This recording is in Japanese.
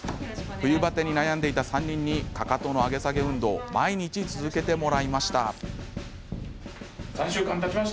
冬バテに悩んでいた３人にかかとの上げ下げ運動を毎日続けてもらいました。